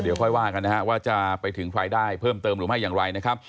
เดี๋ยวค่อยว่ากันนะฮะว่าจะไปถึงใครได้เพิ่มเติมหรือไม่อย่างไรนะครับ